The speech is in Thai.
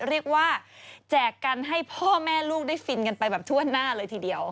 แจกกันให้พ่อแม่ลูกได้ฟินกันไปแบบทั่วหน้าเลยทีเดียว